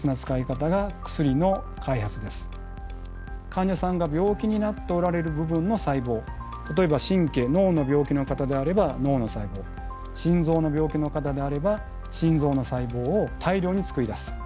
患者さんが病気になっておられる部分の細胞例えば神経脳の病気の方であれば脳の細胞心臓の病気の方であれば心臓の細胞を大量につくり出す。